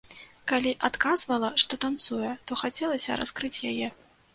Калі адказвала, што танцуе, то хацелася раскрыць яе.